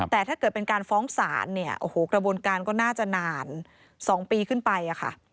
แต่ถ้าเกิดเป็นการฟ้องศาลเนี่ยโอ้โหกระบวนการก็น่าจะนาน๒ปีขึ้นไปค่ะ